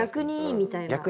みたいな。